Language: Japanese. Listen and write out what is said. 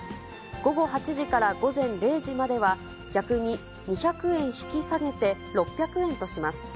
午後８時から午前０時までは、逆に２００円引き下げて６００円とします。